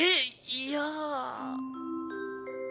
いや。